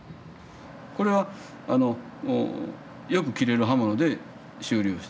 これはよく切れる刃物で修理をしている。